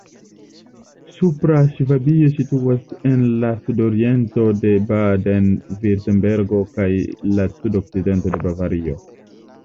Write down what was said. Supra Ŝvabio situas en la sudoriento de Baden-Virtembergo kaj la sudokcidento de Bavario.